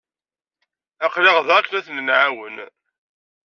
Aql-aɣ da akken ad ten-nɛawen.